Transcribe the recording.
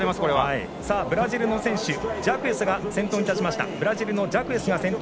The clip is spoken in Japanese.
ブラジルのジャクエスが先頭に立ちました。